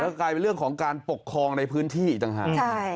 กลายเป็นเรื่องของการปกครองในพื้นที่อีกต่างหาก